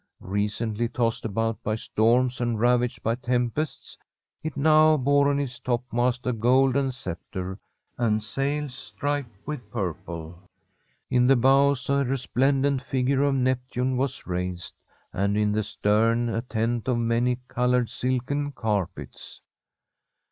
Recently tossed about by storms and ravaged by tempests, it now bore on its topmast a golden sceptre and sails striped with purple. In the bows a resplendent figure of Neptune was raised, and in the stem a tent of many coloured silken carpets.